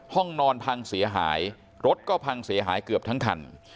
ห้องนอนพังเสียหายรถก็พังเสียหายเกือบทั้งคัน